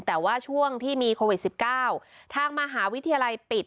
แต่ว่าช่วงที่มีโควิด๑๙ทางมหาวิทยาลัยปิด